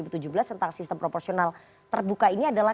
tentang sistem proporsional terbuka ini adalah